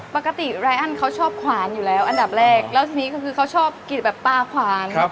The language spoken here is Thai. ไรอันเขาชอบขวานอยู่แล้วอันดับแรกแล้วทีนี้ก็คือเขาชอบกินแบบตาขวาน